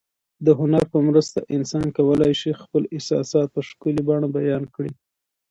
د هنر په مرسته انسان کولای شي خپل احساسات په ښکلي بڼه بیان کړي.